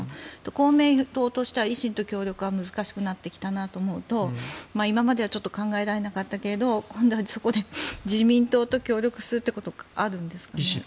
公明党としては維新と協力が難しくなってくると今までは考えられなかったけど今度はそこで自民党で協力することはあるんですか。